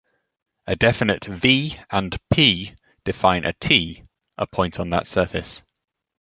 A definite "V" and "P" define a "T", a point on that surface.